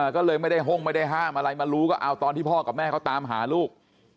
ก็เลยไม่ได้ห้องไม่ได้ห้ามอะไรมารู้ก็เอาตอนที่พ่อกับแม่เขาตามหาลูก